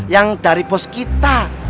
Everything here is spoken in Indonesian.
yang dari bos kita